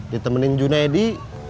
ditemenin juna edi